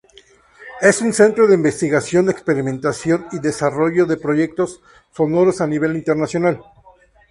Es un centro de investigación, experimentación y desarrollo de proyectos sonoros a nivel internacional.